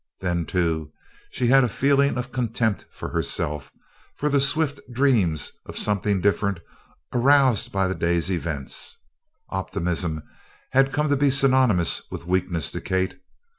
Then, too, she had a feeling of contempt for herself for the swift dreams of something different aroused by the day's events. Optimism had come to be synonymous with weakness to Kate.